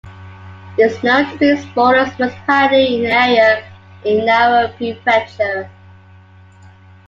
It is known to be smallest municipality in area in Nara Prefecture.